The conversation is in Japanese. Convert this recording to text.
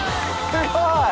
すごい。